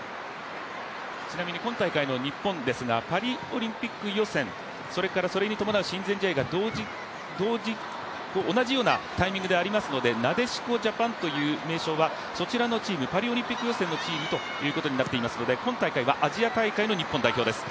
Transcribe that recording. ちなみに今大会の日本ですが、パリオリンピック予選、それからそれに伴う親善試合が同じようなタイミングでありますので、なでしこジャパンという名称はそちらのチーム、パリオリンピック予選のチームということになっていますので今大会はアジア大会の日本代表です。